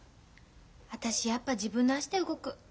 私やっぱ自分の足で動く。